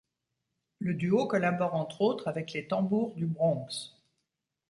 Le duo collabore entre autres avec Les Tambours du Bronx.